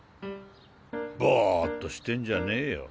ボーッとしてんじゃねぇよ。